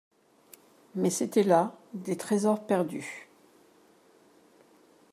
Mais c'etaient là des tresors perdus.